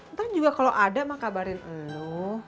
ntar juga kalau ada mak kabarin elu